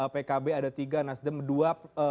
pkb ada tiga nasdem dua